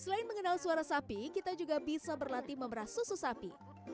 selain mengenal suara sapi kita juga bisa berlatih memerah susu sapi